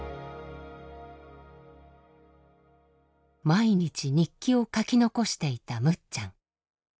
毎日日記を書き残していたむっちゃん。